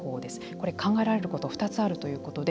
これ、考えられることは２つあるということで。